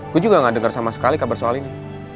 gue juga gak dengar sama sekali kabar soal ini